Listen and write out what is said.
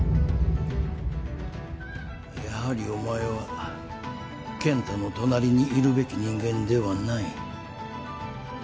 やはりお前は健太の隣にいるべき人間ではない。